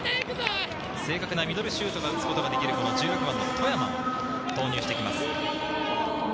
正確なミドルシュートを打つことができる１６番・外山を投入してきます。